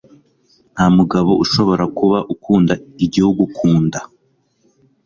Nta mugabo ushobora kuba ukunda igihugu ku nda.